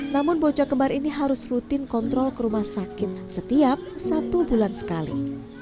namun bocah kembar ini harus rutin kontrol ke rumah sakit setiap satu bulan sekali